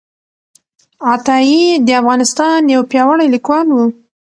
عطايي د افغانستان یو پیاوړی لیکوال و.